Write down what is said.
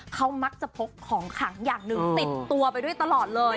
เขามักจะพกของขังอย่างหนึ่งติดตัวไปด้วยตลอดเลย